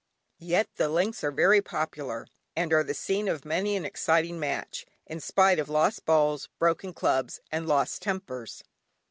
Yet the Links are very popular, and are the scene of many an exciting match, in spite of lost balls, broken clubs, and lost tempers.